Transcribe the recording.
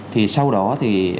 thì sau đó thì